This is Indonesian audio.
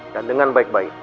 dan dengan baik baik